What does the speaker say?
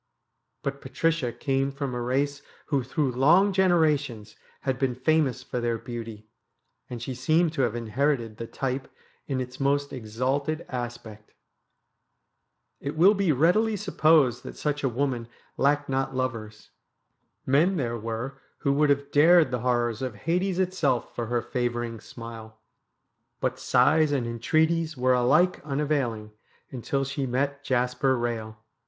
But Patricia came from a race who through long generations had been famous for their beauty, and she seemed to have inherited the type in its most exalted aspect. It will be readily supposed that such a woman lacked not lovers. Men there were who would have dared the horrors of Hades itself for her favouring smile. But sighs and entreaties were alike unavailing until she met Jasper Eehel.